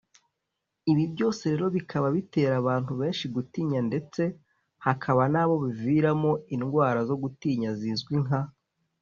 Ibi byose rero bikaba bitera abantu benshi gutinya ndetse hakaba n’abo biviramo indwara zo gutinya zizwi nka